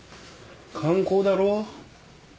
観光だろ？